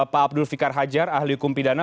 pak abdul fikar hajar ahli hukum pidana